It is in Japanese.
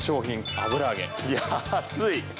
油揚げ、安い！